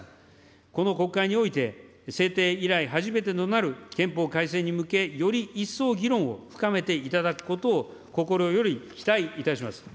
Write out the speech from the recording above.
この国会において制定以来初めてとなる憲法改正に向け、より一層議論を深めていただくことを心より期待いたします。